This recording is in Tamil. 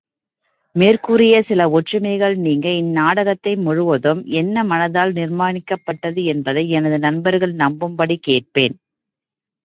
மேற்கூறிய சில ஒற்றுமைகள் நீங்க, இந்நாடகத்தை முழுவதும், என்ன மனத்தால் நிர்மாணிக்கப்பட்டது என்பதை எனது நண்பர்கள் நம்பும்படிக் கேட்பேன்.